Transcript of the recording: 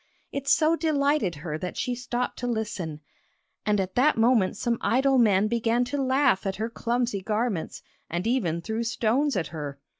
It so delighted her that she stopped to listen, and at that moment some idle men began to laugh at her clumsy garments, and even threw stones at her.